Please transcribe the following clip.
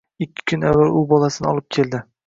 Ikki kun avval u bolasini olib keldi